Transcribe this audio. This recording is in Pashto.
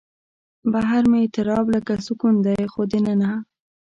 بهر مې اضطراب لکه سکون دی خو دننه